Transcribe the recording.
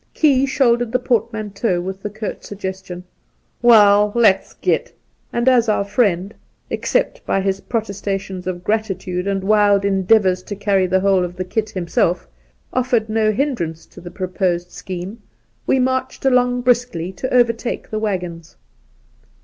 Key shouldered the portmanteau with the curt suggestion, ' Waal, let's git !' and as our friend — except by his protestations of gratitude and wild endeavours to carry the whole of the kit himself — offered no hindrance to the proposed scheme, we marched along briskly to overtake the waggons.